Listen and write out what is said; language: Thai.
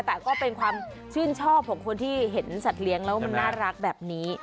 แต่ก็เป็นความชื่นชอบของคนที่เห็นสัตว์เลี้ยงแล้วมันน่ารักแบบนี้